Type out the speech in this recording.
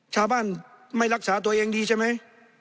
ชาวบ้านไม่รักษาตัวเองดีใช่ไหม